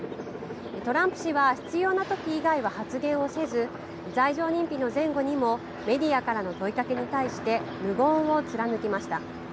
トランプ氏は必要なとき以外は発言をせず、罪状認否の前後にもメディアからの問いかけに対して、無言を貫きました。